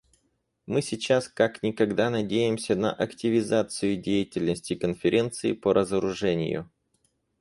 Мы сейчас как никогда надеемся на активизацию деятельности Конференции по разоружению.